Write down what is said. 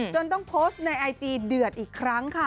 จนต้องโพสต์ในไอจีเดือดอีกครั้งค่ะ